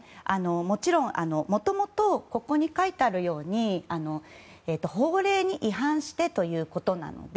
もちろん、もともとここに書いてあるように法令に違反してということなので